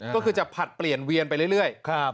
ก็คือจะผลัดเปลี่ยนเวียนไปเรื่อย